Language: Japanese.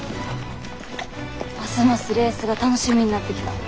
ますますレースが楽しみになってきた。